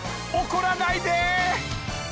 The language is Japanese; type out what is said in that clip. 怒らないで］